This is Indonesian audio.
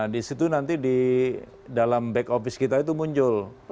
di situ nanti di dalam back office kita itu muncul